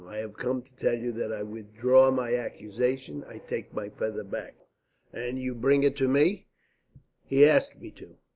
I have come to tell you that I withdraw my accusation. I take my feather back." "And you bring it to me?" "He asked me to."